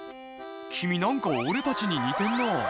君何か俺たちに似てんなぁ」